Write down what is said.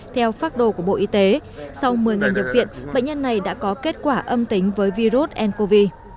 theo phác đồ của bộ y tế sau một mươi ngày nhập viện bệnh nhân này đã có kết quả âm tính với virus ncov